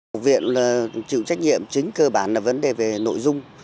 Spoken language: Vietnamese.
học viện là chịu trách nhiệm chính cơ bản là vấn đề về nội dung